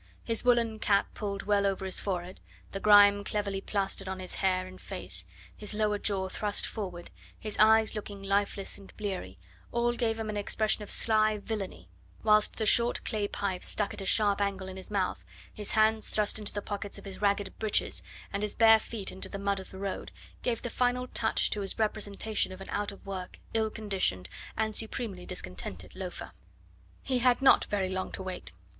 His woollen cap pulled well over his forehead, the grime cleverly plastered on his hair and face, his lower jaw thrust forward, his eyes looking lifeless and bleary, all gave him an expression of sly villainy, whilst the short clay pipe struck at a sharp angle in his mouth, his hands thrust into the pockets of his ragged breeches, and his bare feet in the mud of the road, gave the final touch to his representation of an out of work, ill conditioned, and supremely discontented loafer. He had not very long to wait.